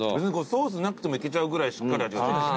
ソースなくてもいけちゃうぐらいしっかり味が。